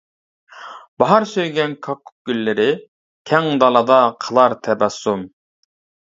باھار سۆيگەن كاككۇك گۈللىرى، كەڭ دالادا قىلار تەبەسسۇم.